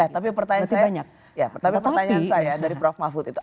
tapi pertanyaan saya dari prof mahfud itu